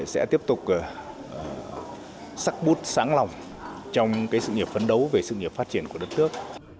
sẽ tiếp tục sắc bút sáng lòng trong sự nghiệp phấn đấu về sự nghiệp phát triển của đất nước